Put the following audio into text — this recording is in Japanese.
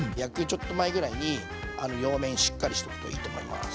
ちょっと前ぐらいに両面しっかりしとくといいと思います。